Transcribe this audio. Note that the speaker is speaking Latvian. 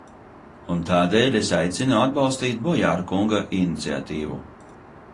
Un tādēļ es aicinu atbalstīt Bojāra kunga iniciatīvu.